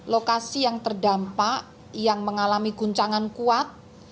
lokasi yang terdampak yang mengalami guncangan kuat